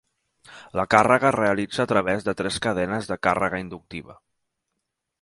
La càrrega es realitza a través de tres cadenes de càrrega inductiva.